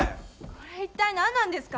これ一体何なんですか？